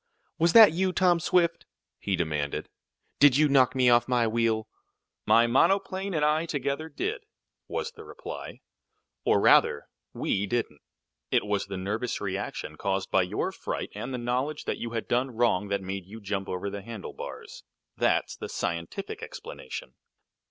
"Was that you, Tom Swift?" he demanded. "Did you knock me off my wheel?" "My monoplane and I together did," was the reply; "or, rather, we didn't. It was the nervous reaction caused by your fright, and the knowledge that you had done wrong, that made you jump over the handlebars. That's the scientific explanation."